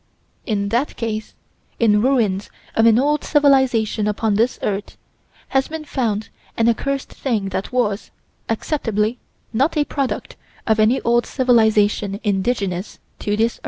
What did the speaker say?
In that case, in ruins of an old civilization upon this earth, has been found an accursed thing that was, acceptably, not a product of any old civilization indigenous to this earth.